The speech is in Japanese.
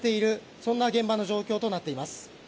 そんな現場の状況となっています。